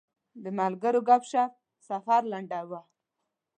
د ملګرو ګپ شپ سفر لنډاوه.